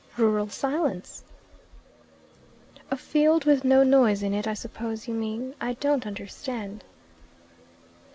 "Rural silence." "A field with no noise in it, I suppose you mean. I don't understand."